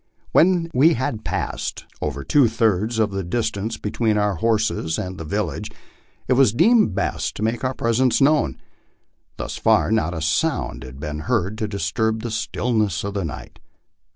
When we had passed over two thirds of the distance between our horses and the village, it was deemed best to make our presence known. Thus far not a sound had been heard to disturb the stillness of the night.